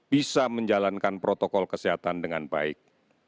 bisa menjalankan protokol kesehatan dengan baik